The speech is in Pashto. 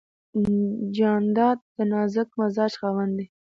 جانداد د نازک مزاج خاوند دی.